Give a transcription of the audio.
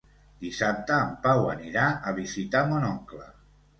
Dissabte en Pau anirà a visitar mon oncle.